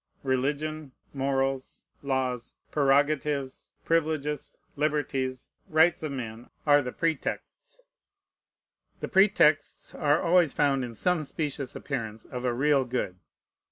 Religion, morals, laws, prerogatives, privileges, liberties, rights of men, are the pretexts. The pretexts are always found in some specious appearance of a real good.